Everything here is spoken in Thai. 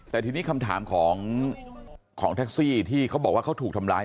แต่ทีนี้คำถามของแท็กซี่ที่เขาบอกว่าเขาถูกทำร้าย